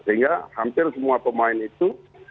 sehingga hampir semua pemain itu